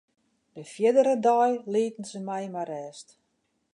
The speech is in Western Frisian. De fierdere dei lieten se my mei rêst.